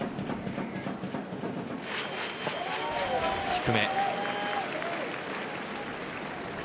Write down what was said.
低め。